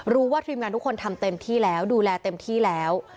รู้ว่าทีมงานทุกคนทำเต็มที่แล้วดูแลเต็มที่แล้ว